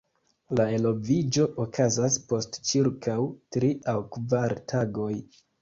La eloviĝo okazas post ĉirkaŭ tri aŭ kvar tagoj.